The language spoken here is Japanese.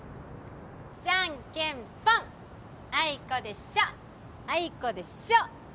じゃんけんぽんあいこでしょあいこでしょ